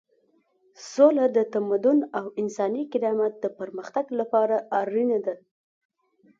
سوله د تمدن او انساني کرامت د پرمختګ لپاره اړینه ده.